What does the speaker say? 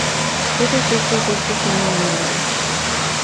Todos estos restos son ignorados.